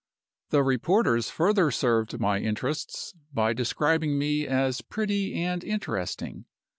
The reporters further served my interests by describing me as 'pretty and interesting.